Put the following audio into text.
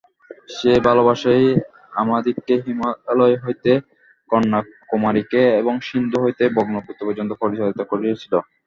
সেই ভালবাসাই আমাদিগকে হিমালয় হইতে কন্যাকুমারিকা এবং সিন্ধু হইতে ব্রহ্মপুত্র পর্যন্ত পরিচালিত করিয়াছিল।